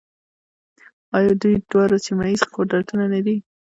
آیا دوی دواړه سیمه ییز قدرتونه نه دي؟